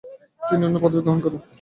তিনি ইনোনু পদবী গ্রহণ করেন।